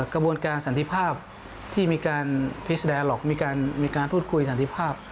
การการสัณธิภาพที่มีการพิสการพูดคุยสัณธิภาพ